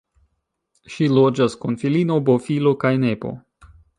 Ŝi loĝas kun filino, bofilo kaj nepo.